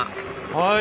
はい。